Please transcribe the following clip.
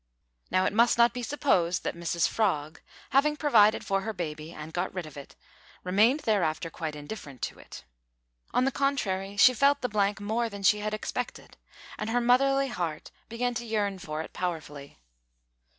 Now it must not be supposed that Mrs Frog, having provided for her baby and got rid of it, remained thereafter quite indifferent to it. On the contrary, she felt the blank more than she had expected, and her motherly heart began to yearn for it powerfully.